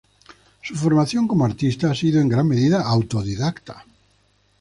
Su formación como artista ha sido en gran medida autodidacta.